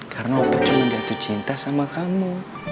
karena bapak cuma jatuh cinta sama kamu